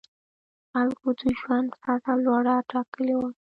خلکو د ژوند سطح لوړه ټاکلې وه.